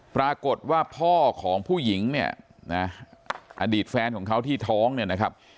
ปรากฏว่าพ่อของผู้หญิงเนี่ยนะอดีตแฟนของเขาที่ท้องเนี่ยนะครับ